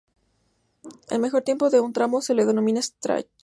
El mejor tiempo de un tramo se le denomina "scratch".